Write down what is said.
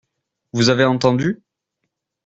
Vous avez entendu ?